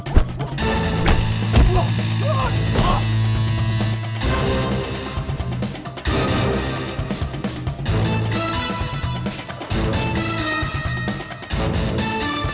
kalahkan kau kalahkan kau